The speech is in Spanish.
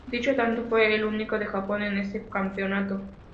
Dicho tanto fue el único de Japón en este campeonato.